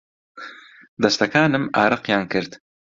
دەستەکانم ئارەقیان کرد.